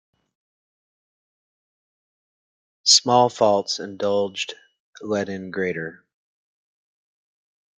Small faults indulged let in greater.